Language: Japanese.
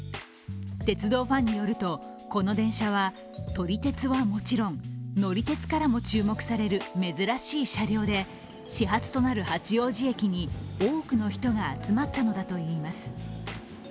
鉄道ファンによると、この電車は撮り鉄はもちろん乗り鉄からも注目される珍しい車両で始発となる八王子駅に多くの人が集まったのだといいます。